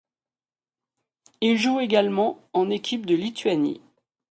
Il joue également en équipe de Lituanie.